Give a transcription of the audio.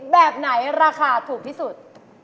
แบบไหนราคาถูกที่สุด